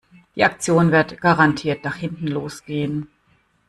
Die Aktion wird garantiert nach hinten los gehen.